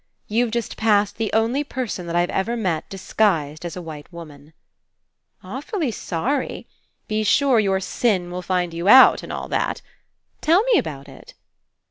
You've just passed the only person that I've ever met disguised as a white woman." "Awfully sorry. Be sure your sin will find you out and all that. Tell me about it."